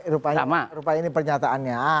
rupanya ini pernyataannya